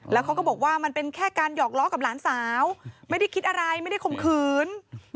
แล้วเขาก็บอกว่ามันเป็นแค่การหยอกล้อกับหลานสาวไม่ได้คิดอะไรไม่ได้ข่มขืน